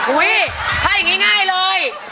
อุ๊ยถ้าอย่างนี้ง่ายเลย